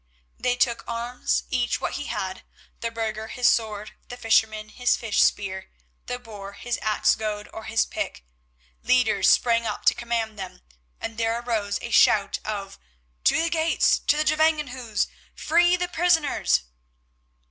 They took arms, each what he had, the burgher his sword, the fisherman his fish spear, the boor his ox goad or his pick; leaders sprang up to command them, and there arose a shout of "To the gates! To the Gevangenhuis! Free the prisoners!"